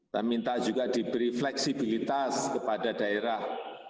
saya minta juga diberi fleksibilitas kepada daerah